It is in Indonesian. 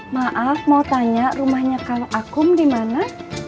maaf mau tanya rumahnya kalau akum di mana